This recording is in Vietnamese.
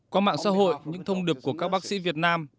qua mạng xã hội những thông điệp của các bác sĩ việt nam